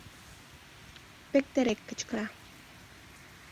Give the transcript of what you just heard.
— Пектерек кычкыра.